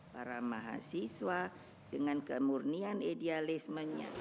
para mahasiswa dengan kemurnian idealismenya